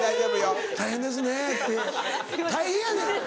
「大変ですね」って大変やねん！